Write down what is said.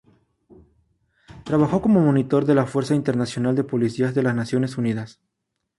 Trabajó como monitor de la Fuerza Internacional de Policía de las Naciones Unidas.